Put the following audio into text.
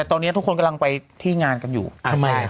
แต่ตอนนี้ทุกคนกำลังไปที่งานกันอยู่ทำไม